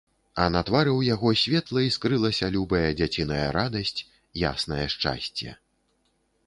А на твары ў яго светла іскрылася любая дзяціная радасць, яснае шчасце.